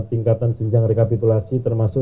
tingkatan jenjang rekapitulasi termasuk